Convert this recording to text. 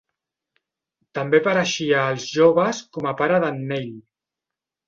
També apareixia a "Els joves" com a pare d'en Neil.